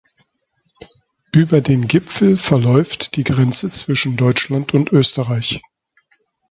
Über den Gipfel verläuft die Grenze zwischen Deutschland und Österreich.